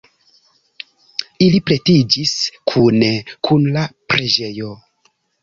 Ili pretiĝis kune kun la preĝejo.